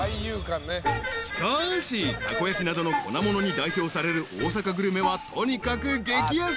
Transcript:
［しかしたこ焼きなどの粉ものに代表される大阪グルメはとにかく激安］